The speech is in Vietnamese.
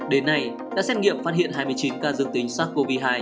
đến nay đã xét nghiệm phát hiện hai mươi chín ca dương tính sars cov hai